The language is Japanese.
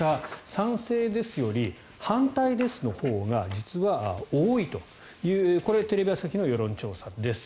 賛成ですより反対ですのほうが実は多いというこれテレビ朝日の世論調査です。